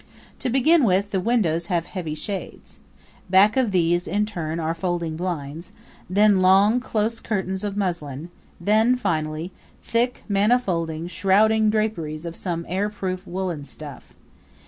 To begin with, the windows have heavy shades. Back of these in turn are folding blinds; then long, close curtains of muslin; then, finally, thick, manifolding, shrouding draperies of some airproof woolen stuff.